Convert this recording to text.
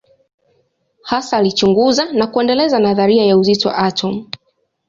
Hasa alichunguza na kuendeleza nadharia ya uzito wa atomu.